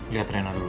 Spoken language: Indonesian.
lihat rena dulu